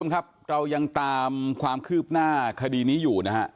ครับเรายังตามความคืบหน้าคดีนี้อยู่นะฮะ